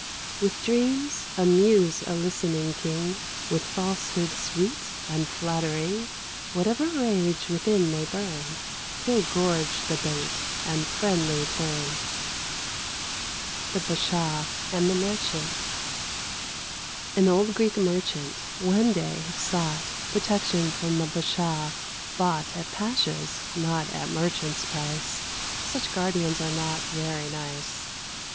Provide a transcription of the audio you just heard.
With dreams amuse a listening king, With falsehoods sweet and flattering; Whatever rage within may burn, He'll gorge the bait, and friendly turn. FABLE CLVIII THE BASHAW AND THE MERCHANT. An old Greek Merchant, one day, sought Protection from a Bashaw, bought At pasha's, not at merchant's, price (Such guardians are not very nice).